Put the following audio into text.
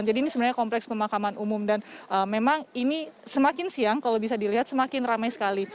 jadi ini sebenarnya kompleks pemakaman umum dan memang ini semakin siang kalau bisa dilihat semakin ramai sekali